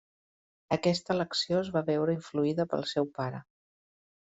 Aquesta elecció es va veure influïda pel seu pare.